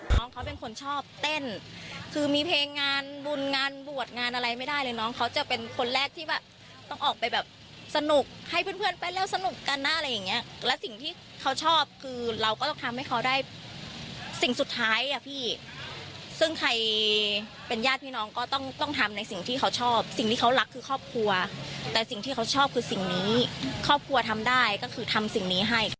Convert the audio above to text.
น้องเขาเป็นคนชอบเต้นคือมีเพลงงานบุญงานบวชงานอะไรไม่ได้เลยน้องเขาจะเป็นคนแรกที่แบบต้องออกไปแบบสนุกให้เพื่อนเพื่อนไปแล้วสนุกกันนะอะไรอย่างเงี้ยและสิ่งที่เขาชอบคือเราก็ต้องทำให้เขาได้สิ่งสุดท้ายอ่ะพี่ซึ่งใครเป็นญาติพี่น้องก็ต้องต้องทำในสิ่งที่เขาชอบสิ่งที่เขารักคือครอบครัวแต่สิ่งที่เขาชอบคือสิ่งนี้ครอบครัวทำได้ก็คือทำสิ่งนี้ให้